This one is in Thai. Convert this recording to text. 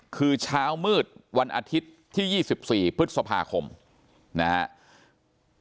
คือเช้ามืดวันอาทิตย์ที่๒๔พฤษภาคมนะครับ